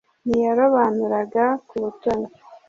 ntiyarobanuraga ku butoni